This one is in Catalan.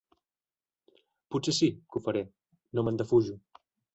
Potser sí, que ho faré: no me'n defujo.